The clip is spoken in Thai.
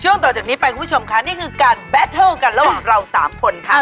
ต่อจากนี้ไปคุณผู้ชมค่ะนี่คือการแบตเทิลกันระหว่างเราสามคนค่ะ